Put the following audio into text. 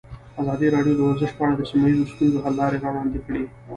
ازادي راډیو د ورزش په اړه د سیمه ییزو ستونزو حل لارې راوړاندې کړې.